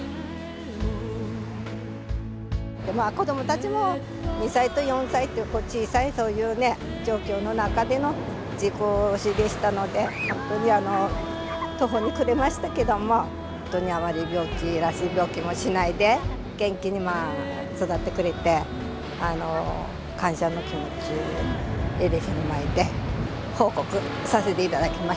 まあ子供たちも２歳と４歳っていう小さいそういうね状況の中での事故死でしたのでほんとにあの途方に暮れましたけどもあまり病気らしい病気もしないで元気にまあ育ってくれて感謝の気持ち慰霊碑の前で報告させていただきました。